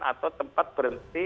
atau tempat berhenti